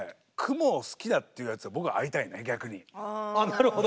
なるほど。